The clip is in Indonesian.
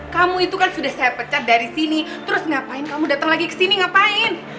kamu itu kan sudah saya pecat dari sini terus ngapain kamu datang lagi kesini ngapain